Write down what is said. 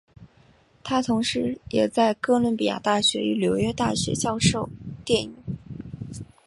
他同时也在哥伦比亚大学与纽约大学教授电影。